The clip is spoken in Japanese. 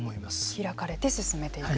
開かれて進めていく。